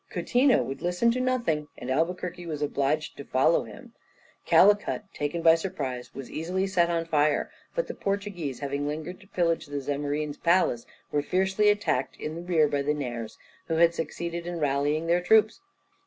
Coutinho would listen to nothing, and Albuquerque was obliged to follow him. Calicut, taken by surprise, was easily set on fire; but the Portuguese, having lingered to pillage the Zamorin's palace, were fiercely attacked in rear by the Nairs, who had succeeded in rallying their troops.